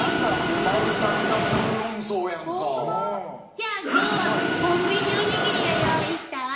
じゃあ今日はコンビニおにぎりを用意したわ。